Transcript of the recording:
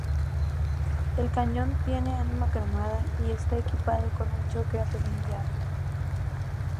El cañón tiene ánima cromada y está equipado con un choke atornillado.